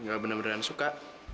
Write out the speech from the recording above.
gak bener beneran suka